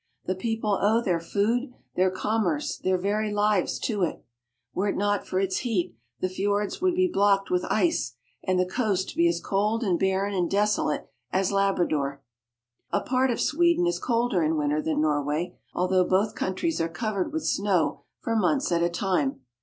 The people owe their food, their commerce, their very lives, to it Were it not for its heat, the fiords would be blocked with ice, and the coast be as cold and barren and desolate as Labrador. A part of Sweden is colder in winter than Norway, although both countries are covered with snow for months at a time.